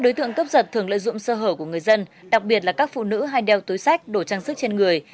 đối tượng cấp giật thường lợi dụng sơ hở của người dân đặc biệt là các phụ nữ hay đeo túi sách đồ trang sức trên người